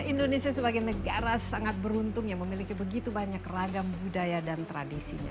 indonesia sebagai negara sangat beruntung yang memiliki begitu banyak ragam budaya dan tradisinya